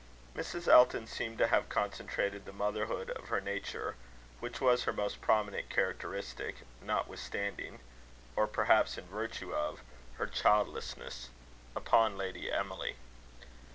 Mrs. Elton seemed to have concentrated the motherhood of her nature, which was her most prominent characteristic, notwithstanding or perhaps in virtue of her childlessness, upon Lady Emily.